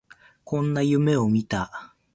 こんな夢を見た